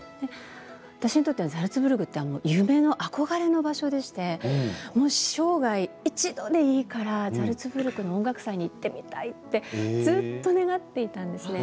私にとってはザルツブルクというのは夢の憧れの場所でして生涯、一度でいいからザルツブルクの音楽祭に行ってみたいとずっと願っていたんです。